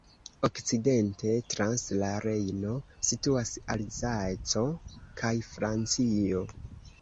Okcidente, trans la Rejno, situas Alzaco kaj Francio.